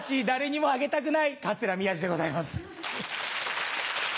誰にもあげたくない桂宮治でございます。